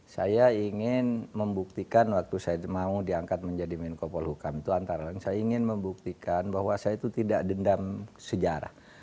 saya ingin membuktikan waktu saya mau diangkat menjadi menko polhukam itu antara lain saya ingin membuktikan bahwa saya itu tidak dendam sejarah